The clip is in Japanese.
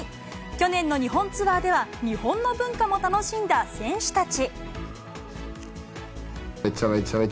去年の日本ツアーでは、日本の文化も楽しんだ選手たち。